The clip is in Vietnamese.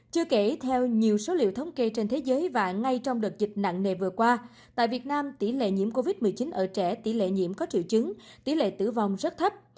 chưa kể theo nhiều số liệu thống kê trên thế giới và ngay trong đợt dịch nặng nề vừa qua tại việt nam tỷ lệ nhiễm covid một mươi chín ở trẻ tỷ lệ nhiễm có triệu chứng tỷ lệ tử vong rất thấp